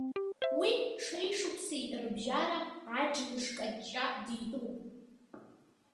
Уи шеишықәсеи рыбжьара аџьныш-қаҷаа дитәуп.